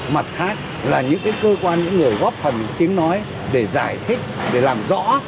mặt khác là những cơ quan những người góp phần tiếng nói để giải thích để làm rõ